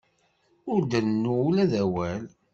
Ur d-rennu ula d awal.